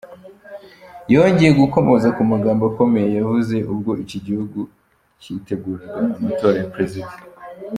Yongeye gukomoza ku magambo akomeye yavuze ubwo iki gihugu kiteguraga amatora ya Perezida.